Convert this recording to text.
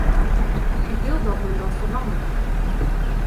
Ik wil dat men dat verandert.